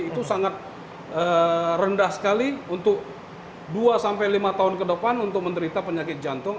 itu sangat rendah sekali untuk dua sampai lima tahun ke depan untuk menderita penyakit jantung